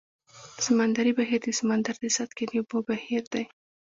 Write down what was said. سمندري بهیر د سمندر د سطحې د اوبو بهیر دی.